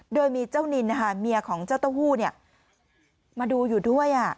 โดยมีเจ้านินนะคะเมียของเจ้าเต้าหู้มาดูอยู่ด้วย